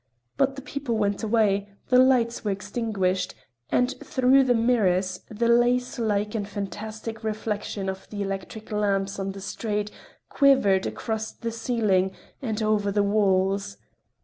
But the people went away, the lights were extinguished, and through the mirrors, the lace like and fantastic reflection of the electric lamps on the street, quivered across the ceiling and over the walls.